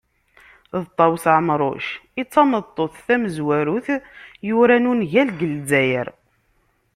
D Ṭawes Ɛemruc i tameṭṭut tamezwarut yuran ungal deg Lezzayer.